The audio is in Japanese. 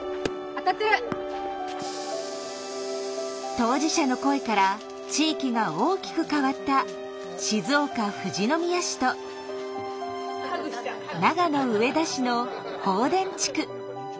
当事者の声から地域が大きく変わった静岡・富士宮市と長野・上田市の豊殿地区。